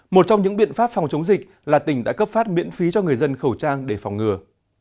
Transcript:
một trong những biện pháp phòng chống dịch là tỉnh đã cấp phát miễn phí cho người dân khẩu trang để phòng ngừa